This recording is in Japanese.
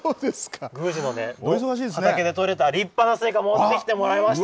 宮司の畑で取れた立派なスイカ、持ってきてもらいました。